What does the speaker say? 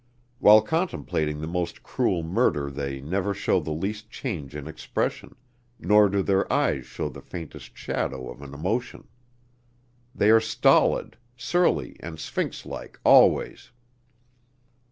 While contemplating the most cruel murder they never show the least change in expression, nor do their eyes show the faintest shadow of an emotion. They are stolid, surly and Sphinx like always.